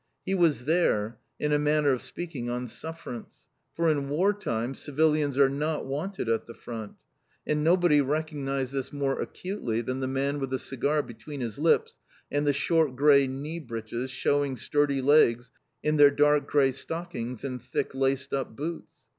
He was there, in a manner of speaking, on suffrance. For in War time, civilians are not wanted at the Front! And nobody recognized this more acutely than the man with the cigar between his lips, and the short grey knee breeches showing sturdy legs in their dark grey stockings and thick laced up boots.